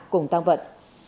cùng tăng vận